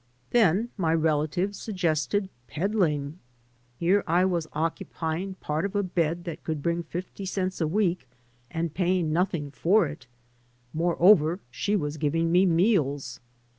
Then my relative suggested peddling. Here I was occupying part of a bed that could bring fifty cents a week, and paying nothing for it. Moreover, she was giving me meals.